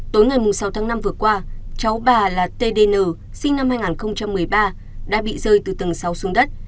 tối ngày sáu tháng năm vừa qua cháu bà là tdn sinh năm hai nghìn một mươi ba đã bị rơi từ tầng sáu xuống đất